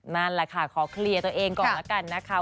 นั่นแหละค่ะขอเคลียร์ตัวเองก่อนละกันนะคะ